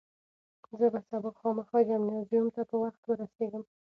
زه به سبا خامخا جمنازیوم ته په وخت ورسېږم.